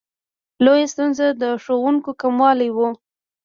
لویه ستونزه د ښوونکو کموالی و.